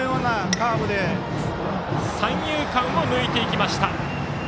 三遊間を抜いていきました。